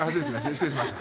失礼しました。